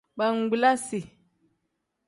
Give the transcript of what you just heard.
Bangbilasi.